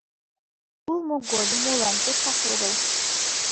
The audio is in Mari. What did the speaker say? Улмо годым молан кочкаш огыл?..